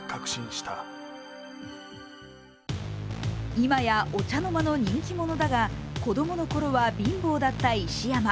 今やお茶の間の人気者だが、子供の頃は貧乏だった石山。